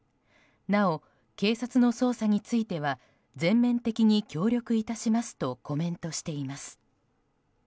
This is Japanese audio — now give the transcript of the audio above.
なお、警察の捜査については全面的に協力いたしますとコメントしています。